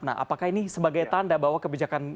nah apakah ini sebagai tanda bahwa kebijakan ganjil genap